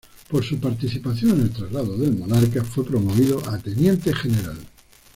Por su participación en el traslado del monarca, fue promovido a teniente general.